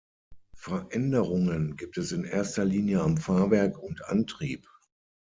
Veränderungen gibt es in erster Linie am Fahrwerk und Antrieb.